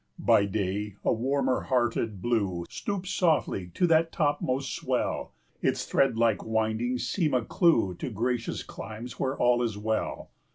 By day, a warmer hearted blue 5 Stoops softly to that topmost swell; Its thread like windings seem a clew To gracious climes where all is well.